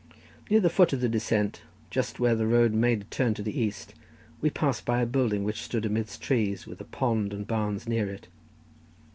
Near the foot of the descent, just where the road made a turn to the east, we passed by a building which stood amidst trees, with a pond and barns near it.